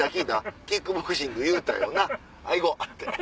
キックボクシング言うたよなはい行こう」って。